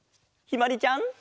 ひまりちゃん。